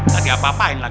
tadi apa apain lagi